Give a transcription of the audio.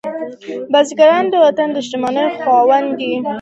بزګر د وطن د شتمنۍ خاوند دی